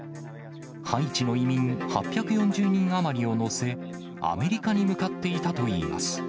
ハイチの移民８４０人余りを乗せ、アメリカに向かっていたといいます。